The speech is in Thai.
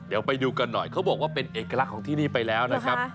เดี๋ยวไปดูกันหน่อยเขาบอกว่าเป็นเอกลักษณ์ของที่นี่ไปแล้วนะครับ